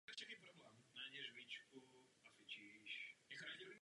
Někdy krátce nato zde zřejmě zemřel.